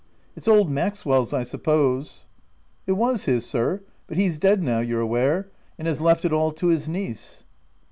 " It's old Maxwell's I suppose." "It was his, sir, but he's dead now, you're aware, and has left it all to his niece."